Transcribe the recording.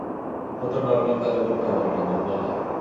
ঠিকমত নরমাল কাজও করতে পারি না, দুর্বল লাগে।